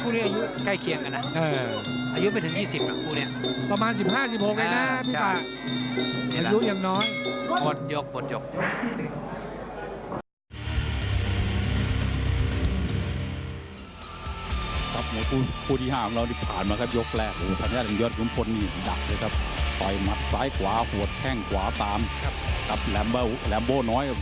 เดี๋ยวมันคุณอายุใกล้เคียงกันนะเออ